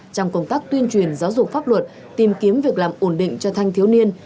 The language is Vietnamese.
trong công tác tuyên truyền giáo dục pháp luật tìm kiếm việc làm ổn định cho thanh thiếu niên